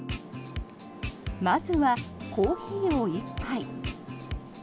まずはコーヒーを１杯。